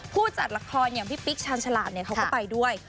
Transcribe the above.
ผู้จัดละครอย่างพี่ปิ๊กชาญฉลาดเขาก็ไปด้วย